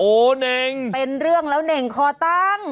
เน่งเป็นเรื่องแล้วเน่งคอตั้ง